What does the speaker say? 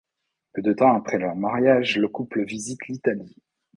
Peu de temps après leur mariage, le couple visite l'Italie.